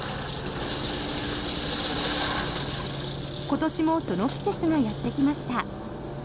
今年もその季節がやってきました。